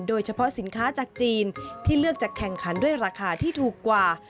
โดยเฉพาะสินค้าจากจีนที่เลือกจะแข่งขันด้วยราคาที่ถูกกว่า